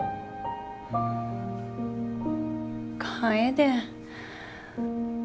楓。